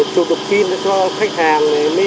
chụp được phim cho khách hàng